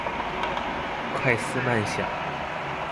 快思慢想